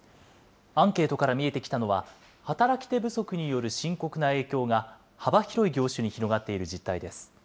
アンケートから見えてきたのは、働き手不足による深刻な影響が幅広い業種に広がっている実態です。